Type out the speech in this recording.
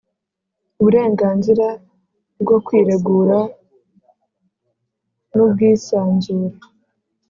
Uburenganzira bwo kwiregura n’ubwisanzure